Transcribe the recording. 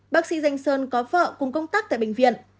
bác sĩ danh sơn có vợ cùng công tác tại bệnh viện